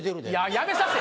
やめさせ。